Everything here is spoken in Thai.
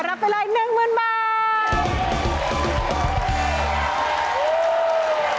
รับไปรายหนึ่งหมื่นบาท